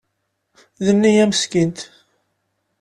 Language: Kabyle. D neyya Meskint.